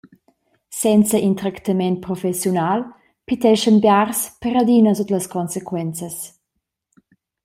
Senza in tractament professiunal piteschan biars per adina sut las consequenzas.